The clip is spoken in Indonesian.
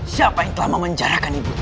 siapa yang telah memenjarakan ibu